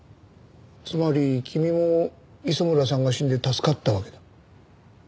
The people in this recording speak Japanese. つまり君も磯村さんが死んで助かったわけだ。